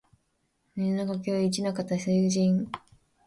水の呼吸弐ノ型水車（にのかたみずぐるま）